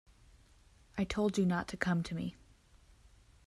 I told you not to come to me!